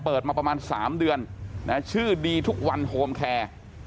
มาประมาณ๓เดือนชื่อดีทุกวันโฮมแคร์